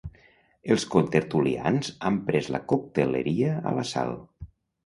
Els contertulians han pres la cocteleria a l'assalt.